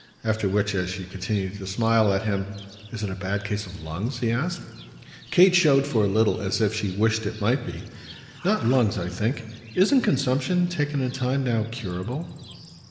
After which, as she continued to smile at him, "Is it a bad case of lungs?" he asked. Kate showed for a little as if she wished it might be. "Not lungs, I think. Isn't consumption, taken in time, now curable?"